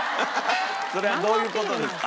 それはどういう事ですか？